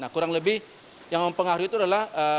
kurang lebih yang mempengaruhi itu adalah